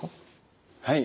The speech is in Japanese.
はい。